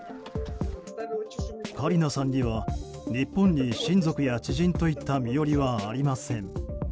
カリナさんには日本に親族や知人といった身寄りはありません。